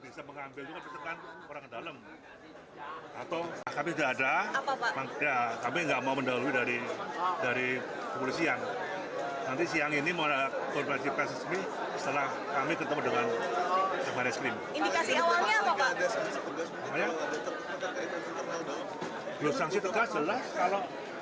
iktp tersebut tidak berlaku